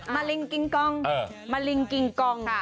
มาริงกิงกองมาริงกิงกองค่ะ